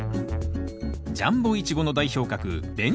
ジャンボイチゴの代表格